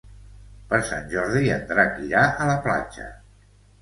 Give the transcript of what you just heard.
Per Sant Jordi en Drac irà a la platja.